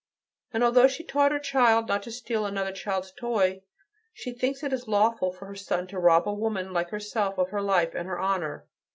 And, although she taught her child not to steal another child's toy, she thinks it lawful for her son to rob a woman like herself of her life and her honor.